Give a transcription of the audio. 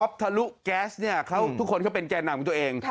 ทะลุแก๊สเนี่ยทุกคนเขาเป็นแก่นำของตัวเอง